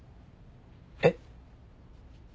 えっ？